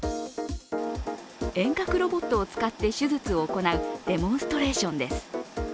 遠隔ロボットを使って手術を行うデモンストレーションです。